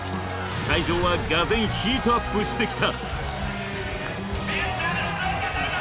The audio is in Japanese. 会場は俄然ヒートアップしてきた。